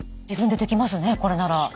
自分でできますねこれなら。